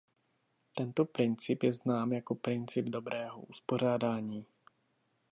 Tento princip je znám jako princip dobrého uspořádání.